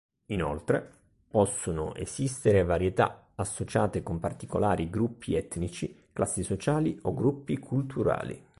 Inoltre, possono esistere varietà associate con particolari gruppi etnici, classi sociali o gruppi culturali.